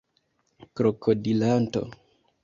krokodilanto